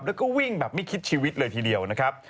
แล้วก็วิ่งแบบไม่คิดชีวิตเลยทีเดียวนะครับ